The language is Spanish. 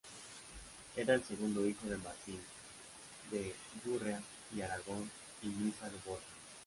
Era el segundo hijo de Martín de Gurrea y Aragón y Luisa de Borja.